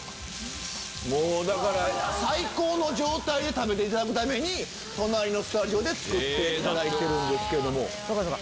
もう最高の状態で食べていただくために隣のスタジオで作っていただいてるんですけども。